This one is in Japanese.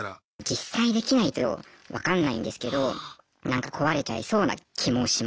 実際できないと分かんないんですけどなんか壊れちゃいそうな気もしますね。